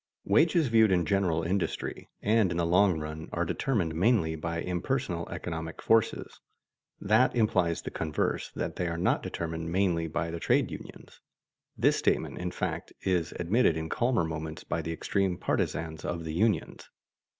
Wages viewed in general industry, and in the long run, are determined mainly by impersonal economic forces. That implies the converse, that they are not determined mainly by the trade unions. This statement, in fact, is admitted in calmer moments by the extreme partisans of the unions.